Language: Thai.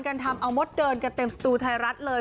ทำเอามดเดินกันเต็มสตูไทยรัฐเลย